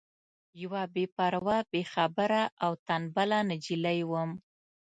یوه بې پروا بې خبره او تنبله نجلۍ وم.